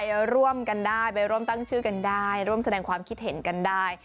ไปร่วมกันได้ไปร่วมตั้งชื่อกันได้ร่วมแสดงความคิดเห็นกันได้